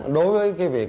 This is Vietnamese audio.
đối với cái việc